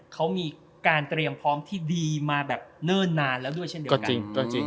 เขามีการเตรียมพร้อมที่ดีมาแบบเนิ่นนานแล้วด้วยเช่นเดียวกัน